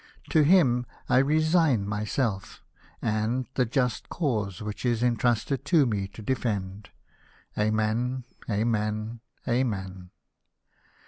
To Him I resign myself, and the just cause which is entrusted to me to defend. Amen, Amen, Amen."